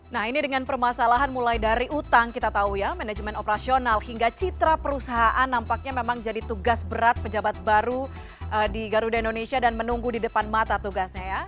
nah ini dengan permasalahan mulai dari utang kita tahu ya manajemen operasional hingga citra perusahaan nampaknya memang jadi tugas berat pejabat baru di garuda indonesia dan menunggu di depan mata tugasnya ya